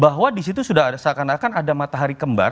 bahwa disitu sudah seakan akan ada matahari kembar